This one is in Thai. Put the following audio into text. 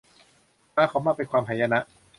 พาเขามาเป็นความหายนะ